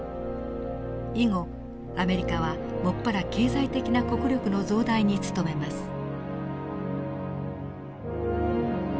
以後アメリカは専ら経済的な国力の増大に努めます。